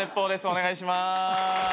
お願いします。